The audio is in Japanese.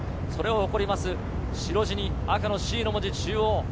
それを誇る白地に赤のＣの文字、中央。